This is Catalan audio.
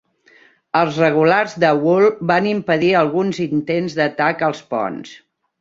Els regulars de Wool van impedir alguns intents d'atac als ponts.